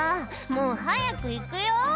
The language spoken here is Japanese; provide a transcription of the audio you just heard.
もう早く行くよ！」